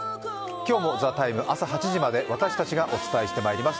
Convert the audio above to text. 今日も「ＴＨＥＴＩＭＥ，」朝８時まで私たちがお送りしていきます。